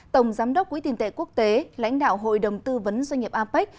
tổng giám đốc quỹ tiền tệ quốc tế lãnh đạo hội đồng tư vấn doanh nghiệp apec